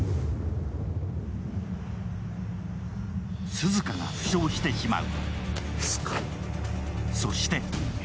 涼香が負傷してしまう。